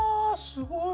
すごい。